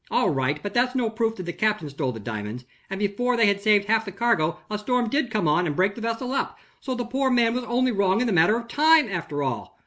"All right, but that's no proof that the captain stole the diamonds; and, before they had saved half the cargo, a storm did come on and break the vessel up; so the poor man was only wrong in the matter of time, after all."